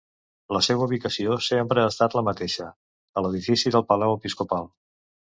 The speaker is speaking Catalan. La seva ubicació sempre ha estat la mateixa, a l'edifici del palau episcopal.